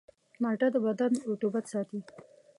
مالټه د بدن رطوبت ساتي.